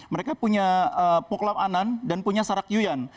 mereka punya poklap anan dan punya sarak yuyan